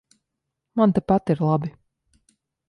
Man tepat ir labi.